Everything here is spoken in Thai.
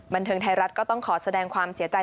บันเทิงไทยรัฐก็ต้องขอแสดงความเสียใจ